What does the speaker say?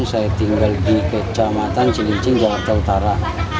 saya tinggal di kecamatan cilincing jakarta utara